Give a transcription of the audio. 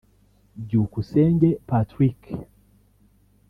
Byukusenge Patrick